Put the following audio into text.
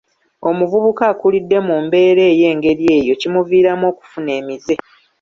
Omuvubuka akulidde mu mbeera ey'engeri eyo kimuviiramu okufuna emize.